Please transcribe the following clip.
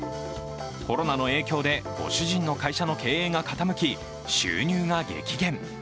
コロナの影響でご主人の会社の経営が傾き、収入が激減。